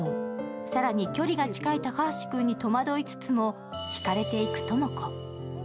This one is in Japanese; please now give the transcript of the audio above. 更に距離が近い高橋くんに戸惑いつつも引かれていく朋子。